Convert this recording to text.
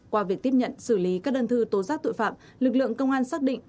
qua việc tiếp nhận xử lý các đơn thư tố giác tội phạm lực lượng công an xác định